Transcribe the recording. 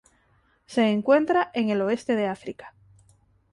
Se encuentra en el oeste de África.